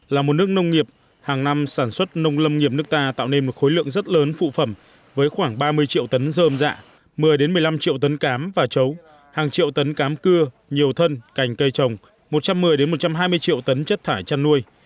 là một nước nông nghiệp hàng năm sản xuất nông lâm nghiệp nước ta tạo nên một khối lượng rất lớn phụ phẩm với khoảng ba mươi triệu tấn dơm dạ một mươi một mươi năm triệu tấn cám và chấu hàng triệu tấn cám cưa nhiều thân cành cây trồng một trăm một mươi một trăm hai mươi triệu tấn chất thải chăn nuôi